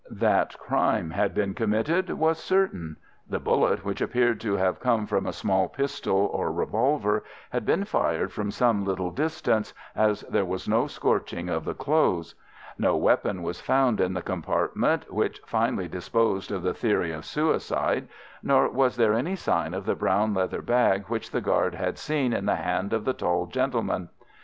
That crime had been committed was certain. The bullet, which appeared to have come from a small pistol or revolver, had been fired from some little distance, as there was no scorching of the clothes. No weapon was found in the compartment (which finally disposed of the theory of suicide), nor was there any sign of the brown leather bag which the guard had seen in the hand of the tall gentleman.